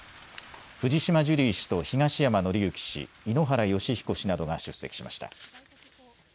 藤島ジュリー氏と東山紀之氏、井ノ原快彦氏などが出席しました。